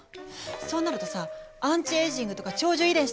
そうなるとさアンチエイジングとか長寿遺伝子とか